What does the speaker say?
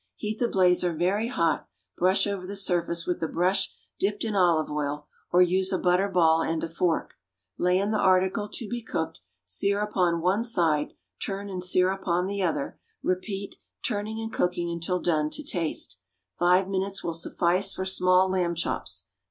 Heat the blazer very hot, brush over the surface with a brush dipped in olive oil (or use a butter ball and a fork), lay in the article to be cooked, sear upon one side, turn and sear upon the other; repeat, turning and cooking until done to taste; five minutes will suffice for small lamb chops.